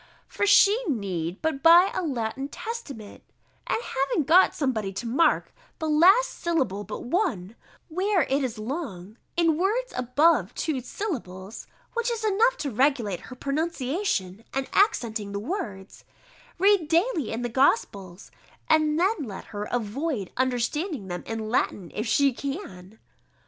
_] "For she need but buy a Latin Testament, and having got somebody to mark the last syllable but one, where it is long, in words above two syllables (which is enough to regulate her pronunciation and accenting the words), read daily in the Gospels, and then let her avoid understanding them in Latin, if she can."